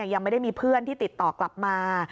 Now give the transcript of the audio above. ยังไม่ได้มีเพื่อนที่ติดต่อกลับมา